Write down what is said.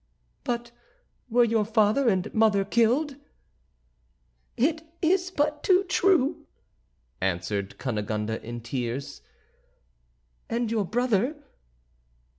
"But were your father and mother killed?" "It is but too true," answered Cunegonde, in tears. "And your brother?"